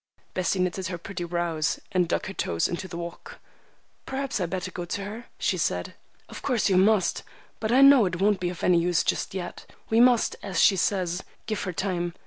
Bessie knitted her pretty brows, and dug her toes into the walk. "Perhaps I had better go to her?" she said. "Of course you must. But I know it won't be of any use just yet. We must, as she says, give her time.